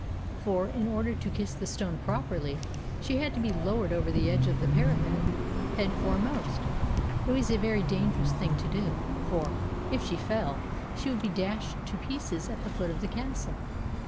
For, in order to kiss the stone properly, she had to be lowered over the edge of the parapet, head foremost. It was a very dangerous thing to do, for, if she fell, she would be dashed to pieces at the foot of the Castle.